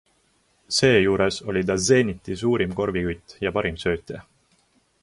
Seejuures oli ta Zeniti suurim korvikütt ja parim söötja.